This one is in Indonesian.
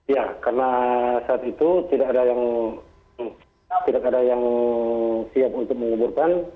ya karena saat itu tidak ada yang siap untuk menguburkan